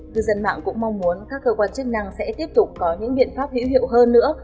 cư dân mạng cũng mong muốn các cơ quan chức năng sẽ tiếp tục có những biện pháp hữu hiệu hơn nữa